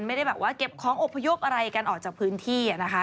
ไม่ได้แบบว่าเก็บของอบพยพอะไรกันออกจากพื้นที่นะคะ